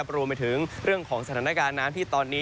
รวมไปถึงเรื่องของสถานการณ์น้ำที่ตอนนี้